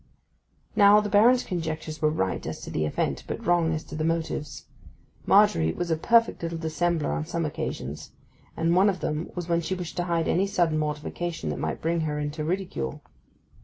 Now, the Baron's conjectures were right as to the event, but wrong as to the motives. Margery was a perfect little dissembler on some occasions, and one of them was when she wished to hide any sudden mortification that might bring her into ridicule.